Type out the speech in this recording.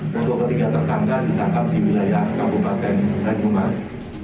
ketiga tiga tersangka ditangkap di wilayah kabupaten renggumas